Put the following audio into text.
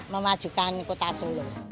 memajukan kota solo